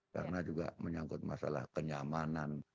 karena juga menyangkut masalah kenyamanan